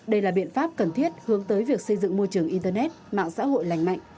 đây là biện pháp cần thiết hướng tới việc xây dựng môi trường internet mạng xã hội lành mạnh